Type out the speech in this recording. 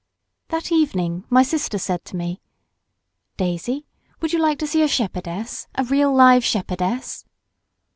That evening my sister said to me— "Daisy, would you like to see a shepherdess, a real live shepherdess?"